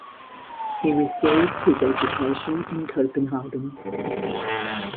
He received his education in Copenhagen.